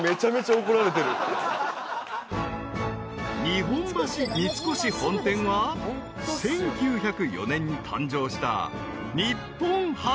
［日本橋三越本店は１９０４年に誕生した］